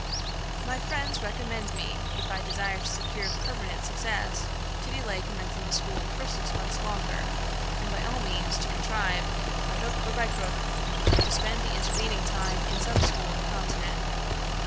My friends recommend me, if I desire to secure permanent success, to delay commencing the school for six months longer, and by all means to contrive, by hook or by crook, to spend the intervening time in some school on the continent.